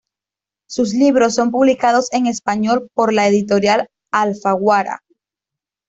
Sus libros son publicados en español por la editorial Alfaguara.